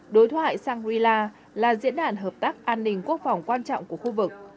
đối thoại shangri la là diễn đàn hợp tác an ninh quốc phòng quan trọng của khu vực